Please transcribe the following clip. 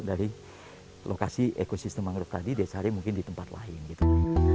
dari lokasi ekosistem mangrove tadi dia cari mungkin di tempat lain gitu